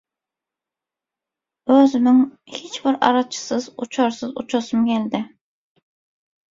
özümiň hiç bir araçysyz, uçarsyz uçasym geldi.